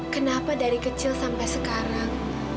kenapa dari kecil sampai sekarang